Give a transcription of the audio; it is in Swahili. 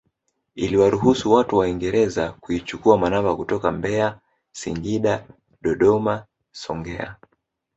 Iliwaruhusu watu waingereza kuichukua manamba kutoka Mbeya Singida Dodoma Songea